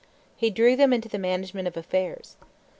He drew them into the management of affairs.